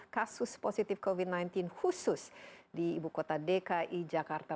kasus positif covid sembilan belas khusus di ibu kota dki jakarta